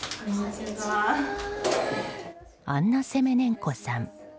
アンナ・セメネンコさん。